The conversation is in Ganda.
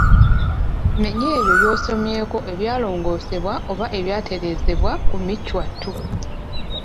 Menya ebyo by'osomyeko ebyalongoosebwa oba ebyatereezebwa ku Michwa II.